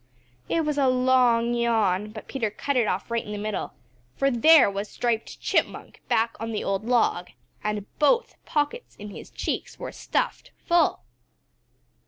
It was a long yawn, but Peter cut it off right in the middle, for there was Striped Chipmunk back on the old log, and both pockets in his cheeks were stuffed full.